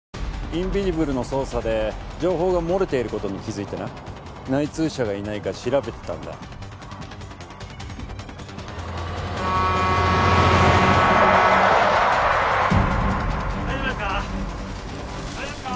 インビジブルの捜査で情報が漏れていることに気づいてな内通者がいないか調べてたんだ・大丈夫ですか？